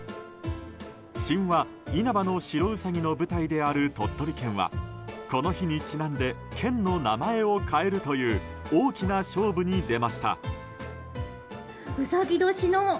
神話「因幡の白うさぎ」の舞台である鳥取県はこの日にちなんで県の名前を変えるという大きな勝負に出ました。